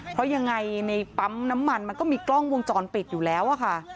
เพราะยังไงในปั๊มน้ำมันมันก็มีกล้องวงจรปิดอยู่แล้วอะค่ะ